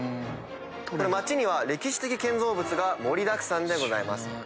街には歴史的建造物が盛りだくさんでございます。